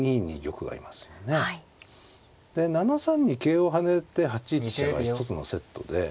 で７三に桂を跳ねて８一飛車が一つのセットで。